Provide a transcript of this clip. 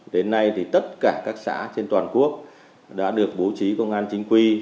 đến nay thì tất cả các xã trên toàn quốc đã được bố trí công an chính quy